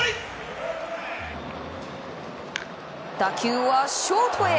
打球はショートへ。